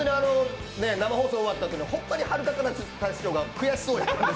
生放送終わったときに、本当にはるか・かなた師匠が悔しそうやったんです。